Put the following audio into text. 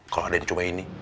kalau ada yang cuma ini